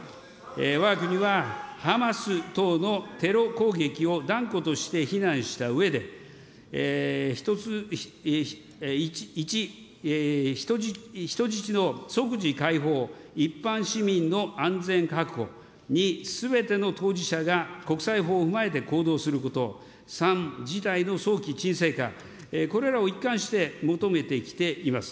わが国はハマス等のテロ攻撃を断固として非難したうえで、一つ、いち、人質の即時解放、一般市民の安全確保、２、すべての当事者が国際法を踏まえて行動すること、３、事態の早期沈静化、これらを一貫して求めてきています。